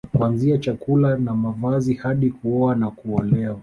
Kuanzia chakula na mavazi hadi kuoa au kuolewa